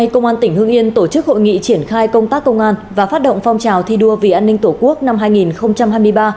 công an tỉnh hương yên tổ chức hội nghị triển khai công tác công an và phát động phong trào thi đua vì an ninh tổ quốc năm hai nghìn hai mươi ba